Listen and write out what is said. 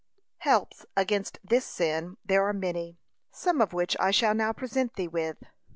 Helps against this sin there are many, some of which I shall now present thee with.